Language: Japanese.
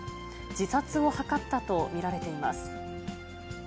自殺を図ったと見られています。